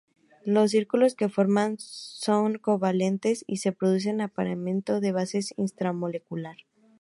Los círculos que forma son covalentes y se produce apareamiento de bases intramolecular.